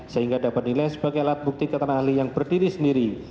sehingga dapat dinilai sebagai alat bukti keterangan ahli yang berdiri sendiri